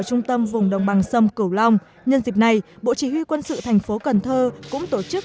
trung tâm vùng đồng bằng sông cửu long nhân dịp này bộ chỉ huy quân sự tp cnh cũng tổ chức